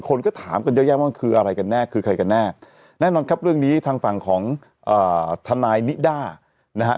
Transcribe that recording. คนก็ถามกันเยอะแยะว่ามันคืออะไรกันแน่คือใครกันแน่แน่นอนครับเรื่องนี้ทางฝั่งของทนายนิด้านะฮะ